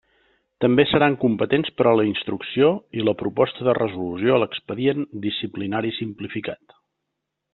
També seran competents per a la instrucció i la proposta de resolució a l'expedient disciplinari simplificat.